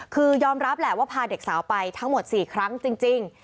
คือยอมรับแหละว่าพาเด็กสาวไปทั้งหมด๔ครั้งจริง